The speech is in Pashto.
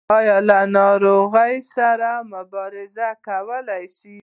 ایا له ناروغۍ سره مبارزه کولی شئ؟